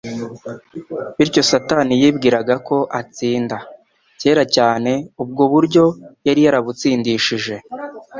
Bityo Satani yibwiraga ko atsinda. Kera cyane ubwo buryo yari yarabutsindishije.